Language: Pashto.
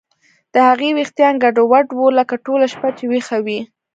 د هغې ویښتان ګډوډ وو لکه ټوله شپه چې ویښه وي